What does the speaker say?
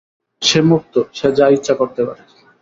সে মুক্ত, সে যা-ইচ্ছে করতে পারে।